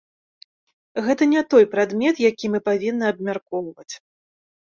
Гэта не той прадмет, які мы павінны абмяркоўваць.